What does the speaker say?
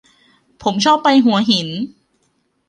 ผมชอบไปหัวหิน